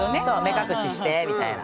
目隠ししてみたいな。